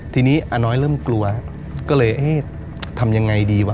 ทีนี้อาน้อยเริ่มกลัวก็เลยเอ๊ะทำยังไงดีวะ